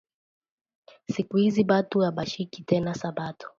Siku izi batu abashiki tena sabato